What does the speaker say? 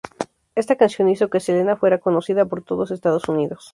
Esta canción hizo que Selena fuera conocida por todo Estados Unidos.